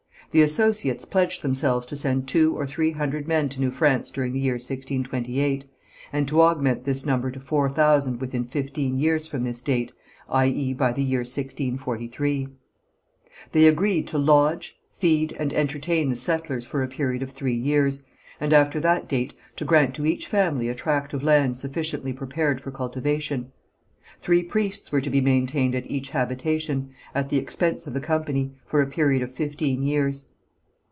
The associates pledged themselves to send two or three hundred men to New France during the year 1628, and to augment this number to four thousand within fifteen years from this date, i.e., by the year 1643. They agreed to lodge, feed and entertain the settlers for a period of three years, and after that date to grant to each family a tract of land sufficiently prepared for cultivation. Three priests were to be maintained at each habitation, at the expense of the company, for a period of fifteen years.